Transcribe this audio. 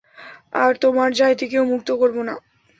আর তোমার জাতিকেও মুক্ত করব না।